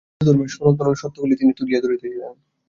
হিন্দুধর্মের সরলতর সত্যগুলি তিনি তুলিয়া ধরিতেছিলেন।